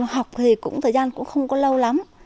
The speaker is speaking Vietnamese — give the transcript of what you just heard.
học thì cũng thời gian cũng không có lâu lắm